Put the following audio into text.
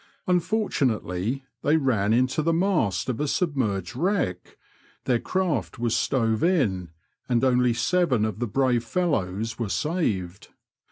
Unfortunately, they ran into the mast of a submerged wreck, their craft was stove in, and only seven of the brave fellows were saved.